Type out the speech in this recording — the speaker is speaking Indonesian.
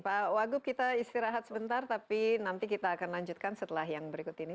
pak wagub kita istirahat sebentar tapi nanti kita akan lanjutkan setelah yang berikut ini